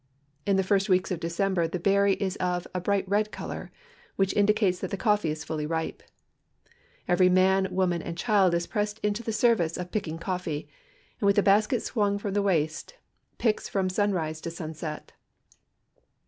In the first weeks of December the l)erry is of a bright red color, which indicates that the cof!ee is fully rii)e. Kvery man. woman, and child is pressed into the service of picking coiVee. and with 148 COSTA RICA a basket swung from the waist, picks from sunrise to sunset.